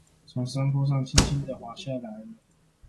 從山坡上輕輕的滑下來了